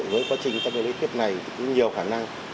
với quá trình tăng cường liên tiếp này thì có nhiều khả năng